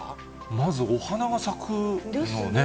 まずお花が咲くのね。